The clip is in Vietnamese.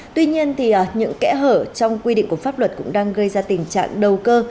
tuy nhiên những kẽ hở trong quy định của pháp luật cũng đang gây ra tình trạng đầu cơ